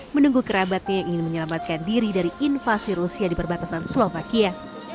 menunggu kerabatnya yang ingin menyelamatkan diri dari invasi rusia di perbatasan slovakia